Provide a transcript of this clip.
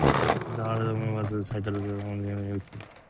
The album was titled "In Motion: The Remixes".